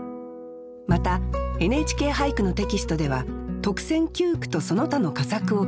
また「ＮＨＫ俳句」のテキストでは特選九句とその他の佳作を掲載します。